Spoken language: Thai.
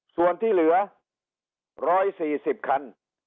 ส่วนที่เหลือ๑๔๐คัน